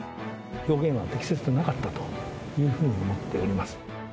表現は適切ではなかったというふうに思っております。